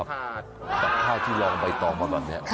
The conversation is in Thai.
แบบข้าวที่ลองใบตองมาก่อนเนี่ย